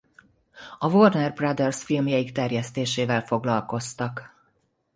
A Warner Brothers filmjeik terjesztésével foglalkoztak.